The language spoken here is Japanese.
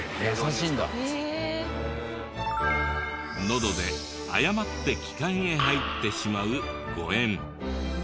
のどで誤って気管へ入ってしまう誤嚥。